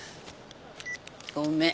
ごめん。